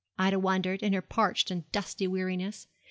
Ida wondered, in her parched and dusty weariness.